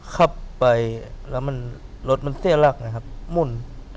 ขับไปแล้วรถมันเสียหลักนะครับหมุน